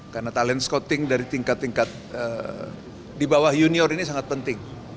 karena talent scouting dari tingkat tingkat di bawah junior ini sangat penting